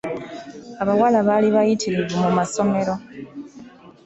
Abawala baali bayitirivu mu masomero.